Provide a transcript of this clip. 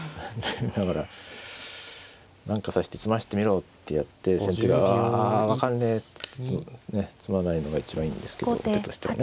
だから何か指して詰ましてみろってやって先手があ分かんねえって詰まないのが一番いいんですけど後手としてはね。